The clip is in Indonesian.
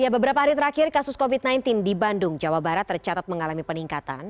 beberapa hari terakhir kasus covid sembilan belas di bandung jawa barat tercatat mengalami peningkatan